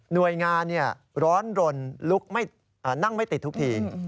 หน่วยงานร้อนรนนั่งไม่ติดทุกที